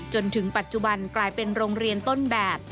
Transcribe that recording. จนถึงปัจจุบันกลายเป็นโรงเรียนต้นแบบ